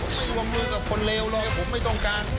ผมไม่วงมือกับคนเลวเลยผมไม่ต้องการ